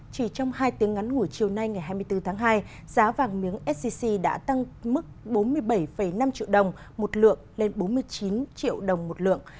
chỉ trong hai tiếng ngắn ngủi chiều nay ngày hai mươi bốn tháng hai giá vàng miếng sgc đã tăng mức bốn mươi bảy năm triệu đồng một lượng lên bốn mươi chín triệu đồng một lượng